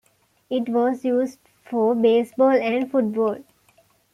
It was used for baseball and football.